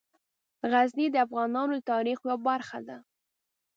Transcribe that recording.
غزني د افغانانو د تاریخ یوه برخه ده.